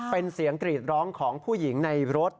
เป็นเสียงกรีดร้องของผู้หญิงในรถ